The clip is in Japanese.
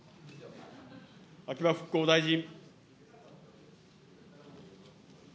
秋葉復興大臣。